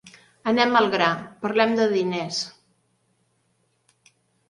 Anem al gra, parlem de diners.